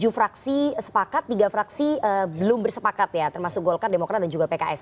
tujuh fraksi sepakat tiga fraksi belum bersepakat ya termasuk golkar demokrat dan juga pks